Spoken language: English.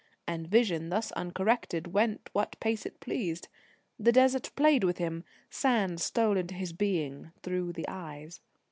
And vision, thus uncorrected, went what pace it pleased. The Desert played with him. Sand stole into his being through the eyes.